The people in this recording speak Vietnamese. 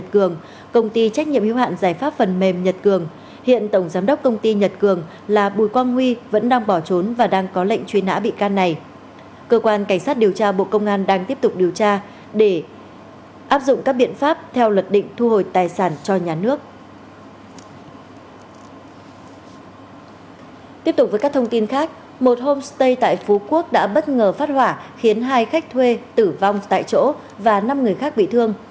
thông tin khác một homestay tại phú quốc đã bất ngờ phát hỏa khiến hai khách thuê tử vong tại chỗ và năm người khác bị thương